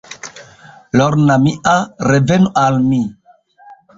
Lorna mia, revenu al mi!